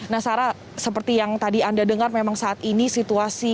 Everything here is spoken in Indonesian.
nah sarah seperti yang tadi anda dengar memang saat ini situasi